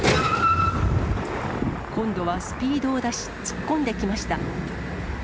今度はスピードを出し、突っ込んできました。